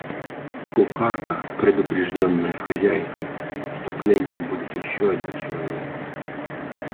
Кухарка, предупрежденная хозяйкой, что к ленчу будет еще один человек,